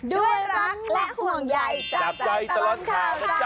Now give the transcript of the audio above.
ด้วยรักและห่วงใหญ่จับใจตลอดค่ะ